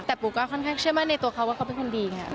แต่ปูก็ค่อนข้างเชื่อมั่นในตัวเขาว่าเขาเป็นคนดีไง